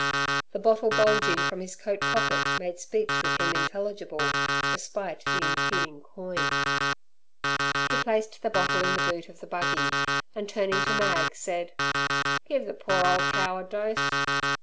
The bottle bulging from his coat pocket made speech with him intelligible, despite the impeding coin. He placed the bottle in the boot of the buggy, and, turning to Mag, said "Give ther poor ole cow a dose!"